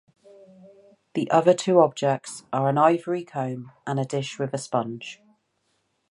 The other two objects are an ivory comb and a dish with a sponge.